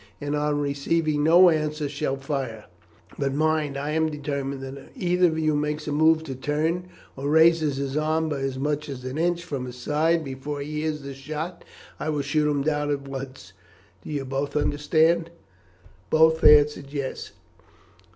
and on receiving no answer shall fire; but mind I am determined that if either of you makes a move to turn, or raises his arm by as much as an inch from his side before he hears the shot I will shoot him down at once. Do you both understand that?" Both answered "Yes."